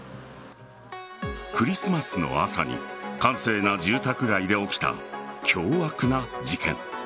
クリスマスの朝に閑静な住宅街で起きた凶悪な事件。